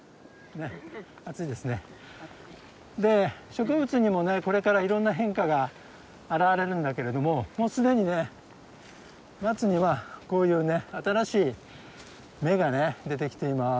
植物にもねこれからいろんな変化が現れるんだけれどももう既にね松にはこういうね新しい芽がね出てきています。